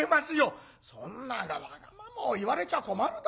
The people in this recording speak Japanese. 「そんなわがままを言われちゃ困るだろう？